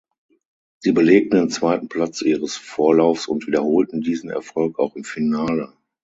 Sie belegten den zweiten Platz ihres Vorlaufs und wiederholten diesen Erfolg auch im Finale.